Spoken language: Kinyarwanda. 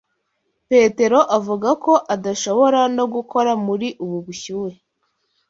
Petero avuga ko adashobora no gukora muri ubu bushyuhe.